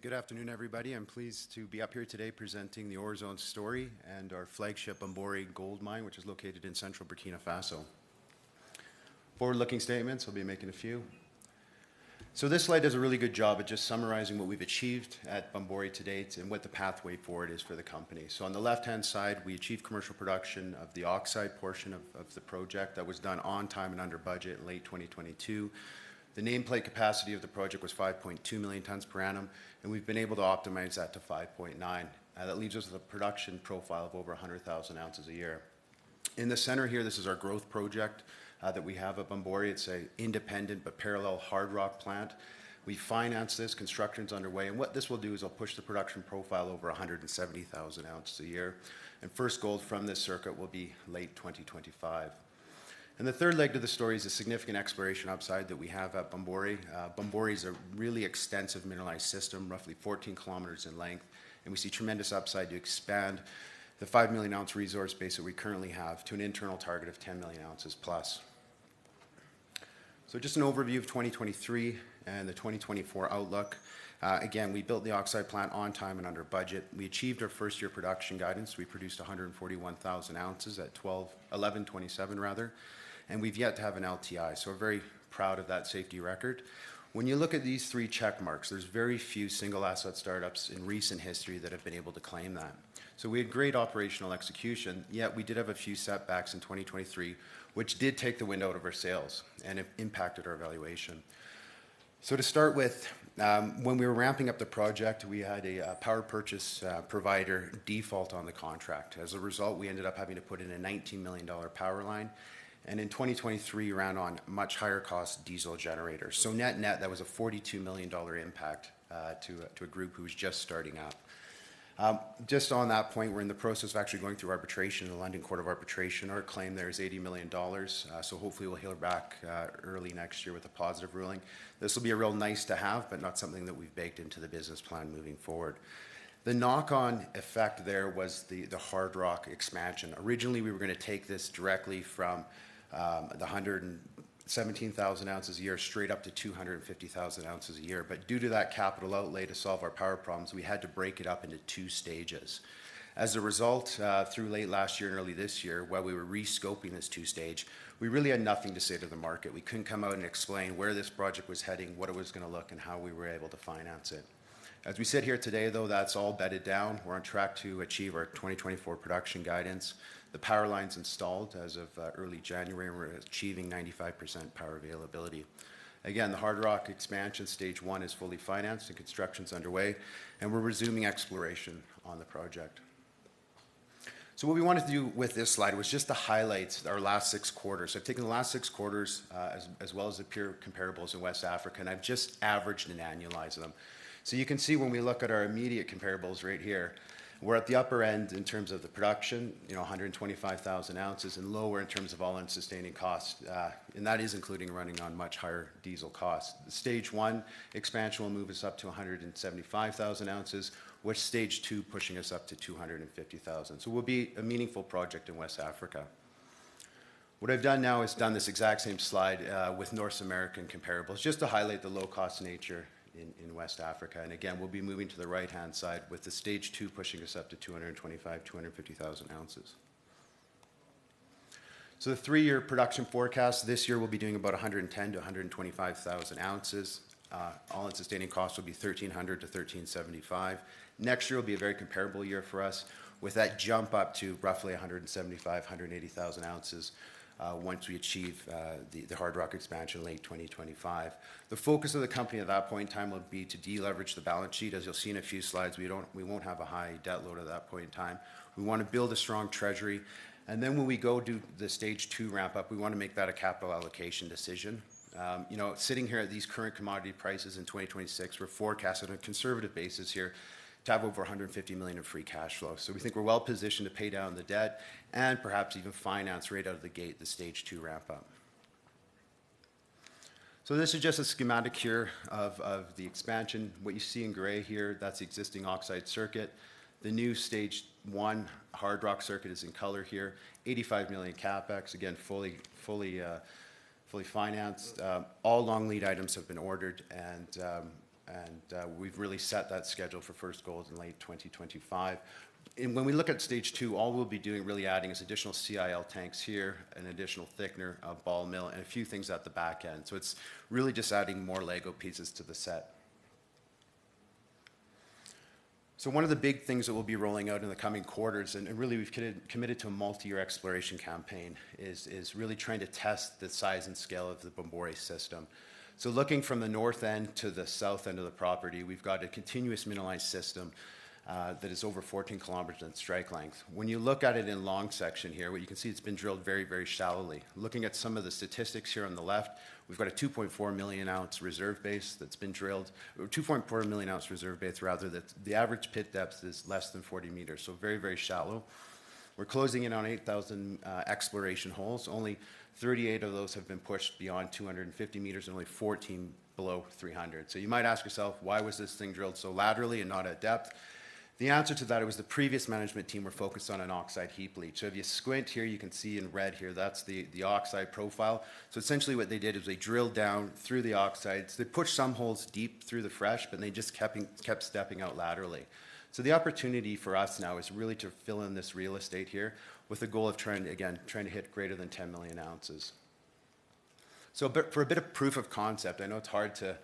Yeah, good afternoon, everybody. I'm pleased to be up here today presenting the Orezone story and our flagship Bomboré Gold Mine, which is located in central Burkina Faso. Forward-looking statements, I'll be making a few. So this slide does a really good job at just summarizing what we've achieved at Bomboré to date and what the pathway forward is for the company. So on the left-hand side, we achieved commercial production of the oxide portion of the project. That was done on time and under budget in late 2022. The nameplate capacity of the project was 5.2 million tons per annum, and we've been able to optimize that to 5.9, that leaves us with a production profile of over 100,000 ounces a year. In the center here, this is our growth project, that we have at Bomboré. It's an independent but parallel hard rock plant. We financed this, construction's underway, and what this will do is it'll push the production profile over 170,000 oz a year, and first gold from this circuit will be late 2025, and the third leg to the story is a significant exploration upside that we have at Bomboré. Bomboré is a really extensive mineralized system, roughly 14 km in length, and we see tremendous upside to expand the 5 million oz resource base that we currently have to an internal target of 10 million ounces plus. Just an overview of 2023 and the 2024 outlook. Again, we built the oxide plant on time and under budget. We achieved our first-year production guidance. We produced 141,000 ounces at $1,127 rather, and we've yet to have an LTI, so we're very proud of that safety record. When you look at these three check marks, there's very few single-asset startups in recent history that have been able to claim that. So we had great operational execution, yet we did have a few setbacks in 2023, which did take the wind out of our sails and it impacted our valuation. So to start with, when we were ramping up the project, we had a power purchase provider default on the contract. As a result, we ended up having to put in a $19 million power line, and in 2023, ran on much higher cost diesel generators. So net-net, that was a $42 million impact to a group who was just starting out. Just on that point, we're in the process of actually going through arbitration in the London Court of International Arbitration. Our claim there is $80 million, so hopefully we'll hear back early next year with a positive ruling. This will be a real nice to have, but not something that we've baked into the business plan moving forward. The knock-on effect there was the hard rock expansion. Originally, we were gonna take this directly from the 117,000 oz a year, straight up to 250,000 oz a year. But due to that capital outlay to solve our power problems, we had to break it up into two stages. As a result, through late last year and early this year, while we were re-scoping this two stage, we really had nothing to say to the market. We couldn't come out and explain where this project was heading, what it was gonna look, and how we were able to finance it. As we sit here today, though, that's all bedded down. We're on track to achieve our twenty twenty-four production guidance. The power line's installed as of early January, and we're achieving 95% power availability. Again, the hard rock expansion stage one is fully financed and construction's underway, and we're resuming exploration on the project. So what we wanted to do with this slide was just to highlight our last six quarters. I've taken the last six quarters, as well as the peer comparables in West Africa, and I've just averaged and annualized them. So you can see when we look at our immediate comparables right here, we're at the upper end in terms of the production, you know, a hundred and twenty-five thousand ounces and lower in terms of all-in sustaining costs, and that is including running on much higher diesel costs. The stage one expansion will move us up to a 175,000 oz, with stage two pushing us up to 250,000 oz. So we'll be a meaningful project in West Africa. What I've done now is done this exact same slide, with North American comparables, just to highlight the low-cost nature in West Africa. And again, we'll be moving to the right-hand side with the stage two pushing us up to 225-250,000 oz. The three-year production forecast, this year we'll be doing about 110-125,000 ounces. All-in sustaining cost will be $1,300-$1,375. Next year will be a very comparable year for us, with that jump up to roughly 175-180 thousand ounces, once we achieve the hard rock expansion in late 2025. The focus of the company at that point in time will be to deleverage the balance sheet. As you'll see in a few slides, we won't have a high debt load at that point in time. We want to build a strong treasury, and then when we go do the stage two ramp-up, we want to make that a capital allocation decision. You know, sitting here at these current commodity prices in twenty twenty-six, we're forecasting on a conservative basis here to have over 150 million of free cash flow. So we think we're well positioned to pay down the debt and perhaps even finance right out of the gate the stage two ramp-up. So this is just a schematic here of the expansion. What you see in gray here, that's the existing oxide circuit. The new stage one hard rock circuit is in color here, 85 million CapEx, again, fully financed. All long lead items have been ordered, and we've really set that schedule for first gold in late twenty twenty-five. When we look at stage two, all we'll be doing, really adding, is additional CIL tanks here, an additional thickener, a ball mill, and a few things at the back end. So it's really just adding more Lego pieces to the set. So one of the big things that we'll be rolling out in the coming quarters, and really we've committed to a multi-year exploration campaign, is really trying to test the size and scale of the Bomboré system. So looking from the north end to the south end of the property, we've got a continuous mineralized system that is over fourteen kilometers in strike length. When you look at it in long section here, what you can see, it's been drilled very, very shallowly. Looking at some of the statistics here on the left, we've got a 2.4 million oz reserve base that's been drilled... or 2.4 million oz reserve base, rather, that the average pit depth is less than 40 m, so very, very shallow. We're closing in on 8,000 exploration holes. Only 38 of those have been pushed beyond 250 m, and only 14 below 300. So you might ask yourself, why was this thing drilled so laterally and not at depth? The answer to that, it was the previous management team were focused on an oxide heap leach. So if you squint here, you can see in red here, that's the oxide profile. So essentially what they did is they drilled down through the oxides. They pushed some holes deep through the fresh, but they just kept stepping out laterally. So the opportunity for us now is really to fill in this real estate here with the goal of trying, again, trying to hit greater than ten million ounces. So, but for a bit of proof of concept, I know it's hard to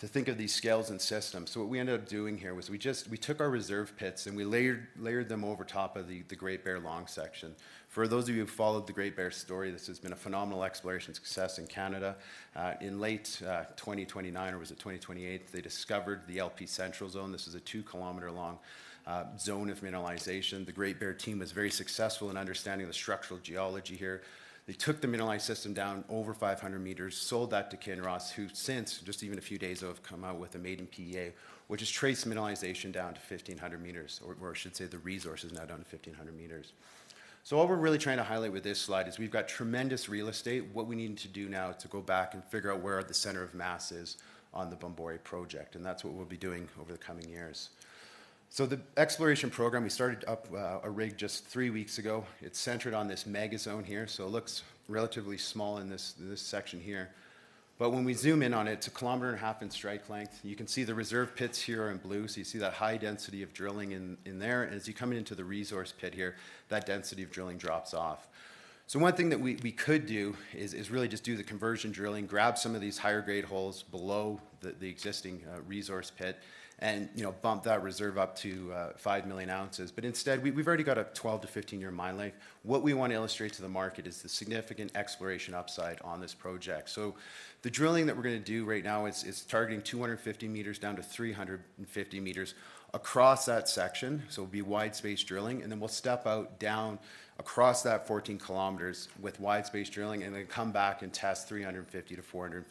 think of these scales and systems. So what we ended up doing here was we just took our reserve pits, and we layered them over top of the Great Bear long section. For those of you who followed the Great Bear story, this has been a phenomenal exploration success in Canada. In late 2029, or was it 2028, they discovered the LP Central Zone. This is a 2-km-long zone of mineralization. The Great Bear team was very successful in understanding the structural geology here. They took the mineralized system down over 500 m, sold that to Kinross, who since, just even a few days ago, have come out with a maiden PEA, which has traced mineralization down to 1500 m, or, or I should say the resource is now down to 1500 m. So what we're really trying to highlight with this slide is we've got tremendous real estate. What we need to do now is to go back and figure out where the center of mass is on the Bomboré Project, and that's what we'll be doing over the coming years. So the exploration program, we started up a rig just three weeks ago. It's centered on this mega zone here, so it looks relatively small in this section here. But when we zoom in on it, it's a kilometer and a half in strike length. You can see the reserve pits here in blue, so you see that high density of drilling in there. And as you come into the resource pit here, that density of drilling drops off. So one thing that we could do is really just do the conversion drilling, grab some of these higher grade holes below the existing resource pit, and you know, bump that reserve up to 5 million oz. But instead, we've already got a 12- to 15-year mine life. What we want to illustrate to the market is the significant exploration upside on this project. So the drilling that we're gonna do right now is targeting 250-350 m across that section, so it'll be wide-space drilling, and then we'll step out down across that 14 km with wide-space drilling and then come back and test 350-450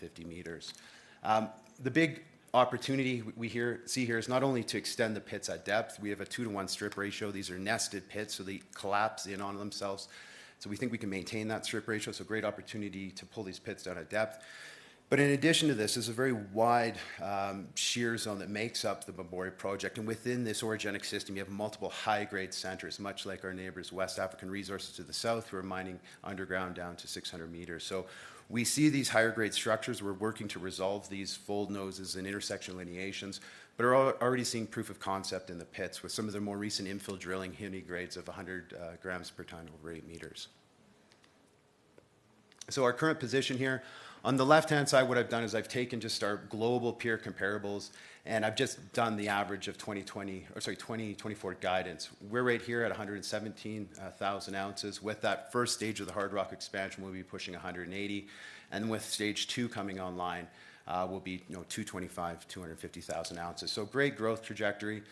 m. The big opportunity we see here is not only to extend the pits at depth. We have a two-to-one strip ratio. These are nested pits, so they collapse in onto themselves, so we think we can maintain that strip ratio, so great opportunity to pull these pits down at depth. But in addition to this, there's a very wide shear zone that makes up the Bomboré Project, and within this orogenic system, you have multiple high-grade centers, much like our neighbors, West African Resources, to the south, who are mining underground down to 600 m. So we see these higher grade structures. We're working to resolve these fold noses and intersection lineations, but are already seeing proof of concept in the pits with some of the more recent infill drilling hitting grades of 100 grams per tonne over 8 m. So our current position here, on the left-hand side, what I've done is I've taken just our global peer comparables, and I've just done the average of 2024 guidance. We're right here at 117,000 oz. With that first stage of the hard rock expansion, we'll be pushing 180, and with stage two coming online, we'll be, you know, 225-250,000 oz. So great growth trajectory.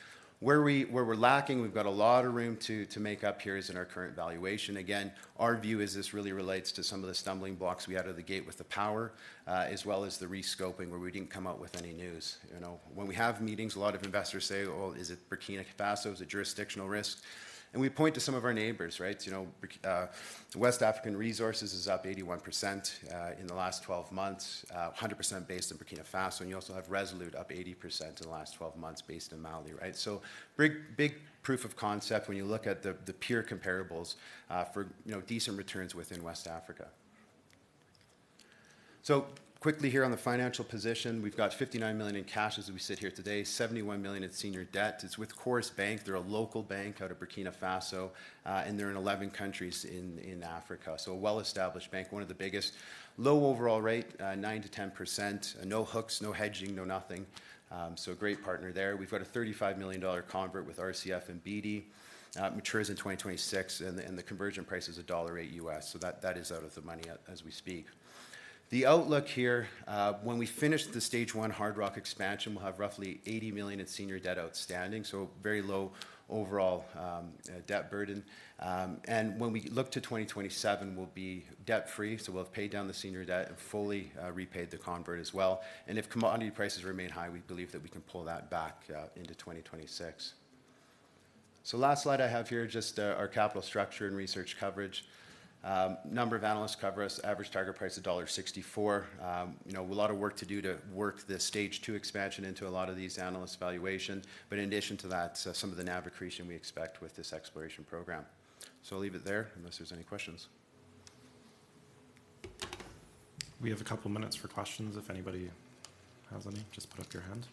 Where we're lacking, we've got a lot of room to make up here is in our current valuation. Again, our view is this really relates to some of the stumbling blocks we had out of the gate with the power, as well as the re-scoping, where we didn't come out with any news. You know, when we have meetings, a lot of investors say, "Well, is it Burkina Faso? Is it jurisdictional risk?" And we point to some of our neighbors, right? You know, West African Resources is up 81% in the last 12 months, 100% based in Burkina Faso, and you also have Resolute up 80% in the last 12 months based in Mali, right? So big, big proof of concept when you look at the peer comparables for, you know, decent returns within West Africa. So quickly here on the financial position, we've got $59 million in cash as we sit here today, $71 million in senior debt. It's with Coris Bank. They're a local bank out of Burkina Faso, and they're in 11 countries in Africa, so a well-established bank, one of the biggest. Low overall rate, 9%-10%. No hooks, no hedging, no nothing, so a great partner there. We've got a $35 million dollar convert with RCF and Beedie. It matures in 2026, and the conversion price is $1.08, so that is out of the money as we speak. The outlook here, when we finish the stage one hard rock expansion, we'll have roughly 80 million in senior debt outstanding, so very low overall debt burden. When we look to 2027, we'll be debt-free, so we'll have paid down the senior debt and fully repaid the convert as well. If commodity prices remain high, we believe that we can pull that back into 2026. Last slide I have here, just our capital structure and research coverage. Number of analysts cover us, average target price $1.64. You know, a lot of work to do to work the stage two expansion into a lot of these analysts' valuations, but in addition to that, some of the NAV accretion we expect with this exploration program. So I'll leave it there unless there's any questions. We have a couple minutes for questions. If anybody has any, just put up your hand.